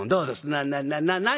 「ななな何？